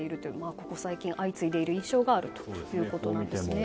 ここ最近相次いでいる印象があるということですね。